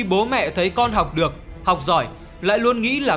bố mẹ thấy con học được học giỏi lại luôn nghĩ là